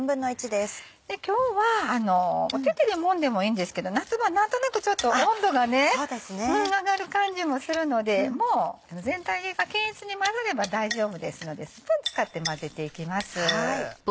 今日はお手手でもんでもいいんですけど夏場何となくちょっと温度が上がる感じもするのでもう全体が均一に混ざれば大丈夫ですのでスプーン使って混ぜていきます。